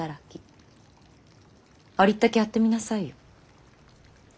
ありったけやってみなさいよ。